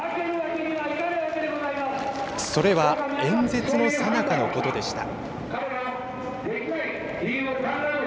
それは演説のさなかのことでした。